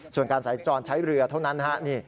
ส่วนการสัญจรใช้เรือเท่านั้นฮะ